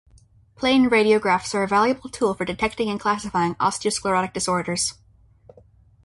Plain radiographs are a valuable tool for detecting and classifying osteosclerotic disorders.